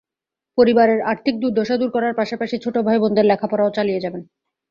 পরিবারের আর্থিক দুর্দশা দূর করার পাশাপাশি ছোট ভাইবোনদের লেখাপড়াও চালিয়ে যাবেন।